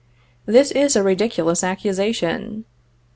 This is a ridiculous accusation.